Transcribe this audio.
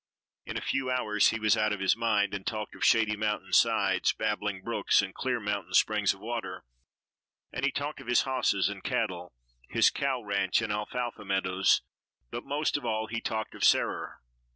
In a few hours he was out of his mind and talked of shady mountain sides, babbling brooks and clear mountain springs of water, and he talked of his hosses and cattle, his cow ranch and alfalfa meadows, but most of all he talked of "Sarer."